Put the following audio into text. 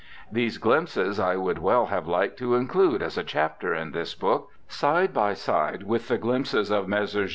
These glimpses I would well have liked to include as a chapter in this book, side by side with the glimpses of Messrs.